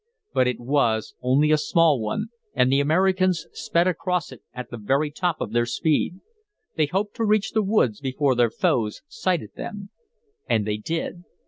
But it was only a small one, and the Americans sped across it at the very top of their speed. They hoped to reach the woods before their foes sighted them. And they did.